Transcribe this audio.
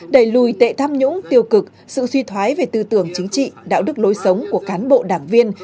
đẩy lùi tệ tham nhũng tiêu cực sự suy thoái về tư tưởng chính trị đạo đức lối sống của cán bộ đảng viên